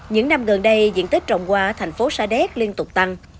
những năm gần đây diện tích trồng hoa thành phố sa đéc liên tục tăng